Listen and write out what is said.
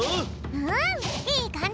うんいいかんじ！